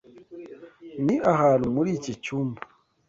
Ni ahantu muri iki cyumba.